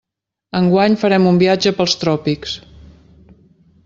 Enguany farem un viatge pels tròpics.